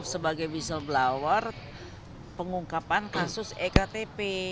sebagai whistleblower pengungkapan kasus ektp